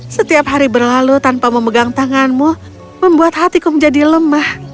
setiap hari berlalu tanpa memegang tanganmu membuat hatiku menjadi lemah